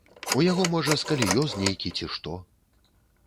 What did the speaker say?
У яго можа скаліёз нейкі ці што.